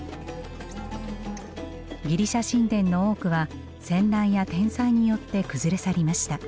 ギリシャ神殿の多くは戦乱や天災によって崩れ去りました。